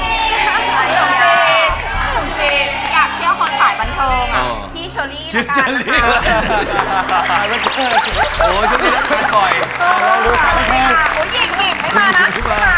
จริงอยากเชี่ยวคนสายบันเทิมอะอ๋อ